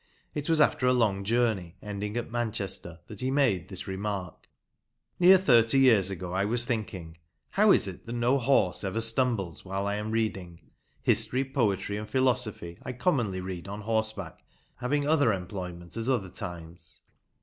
It was after a long journey, ending at Manchester, that he made this remark : Near thirty years ago I was thinking, " How is it that no horse ever stumbles while I am reading? " (History, poetry, and philosophy I commonly read on horseback, having other employment at other times.)